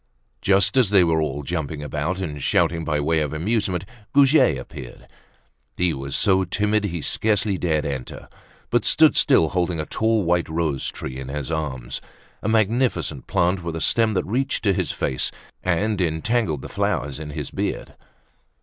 Just as they were all jumping about and shouting by way of amusement, Goujet appeared. He was so timid he scarcely dared enter, but stood still, holding a tall white rose tree in his arms, a magnificent plant with a stem that reached to his face and entangled the flowers in his beard.